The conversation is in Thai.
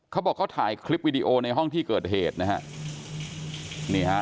เขาบอกเขาถ่ายคลิปวิดีโอในห้องที่เกิดเหตุนะฮะนี่ฮะ